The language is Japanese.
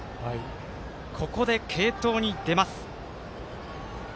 ここで継投に出ます。